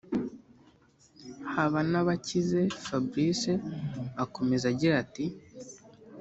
Habanabakize Fabrice akomeza agira ati